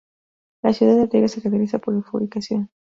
La ciudad de Arriaga se caracteriza por su fabricación.